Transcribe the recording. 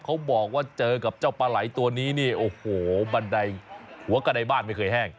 เขาบอกว่าเจอกับเจ้าปลาไหล่ตัวนี้นี่โอ้โหบันไดหัวกระดายบ้านไม่เคยแห้ง